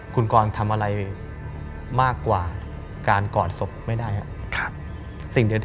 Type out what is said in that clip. คุณกรทำอะไรมากกว่าการกอดศพไม่ได้ครับ